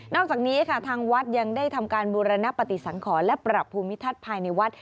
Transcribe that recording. อกจากนี้ค่ะทางวัดยังได้ทำการบูรณปฏิสังขรและปรับภูมิทัศน์ภายในวัด